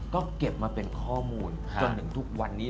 ก็เก็บมาเป็นข้อมูลจนถึงทุกวันนี้